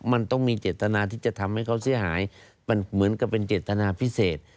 มันต้องมีเจตนาที่จะทำให้เขาเสียหายมันเหมือนกับเป็นเจตนาพิเศษ